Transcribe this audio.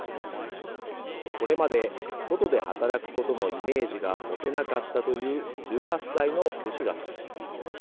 これまで外で働くことのイメージが持てなかったという１８歳のブシュラさん。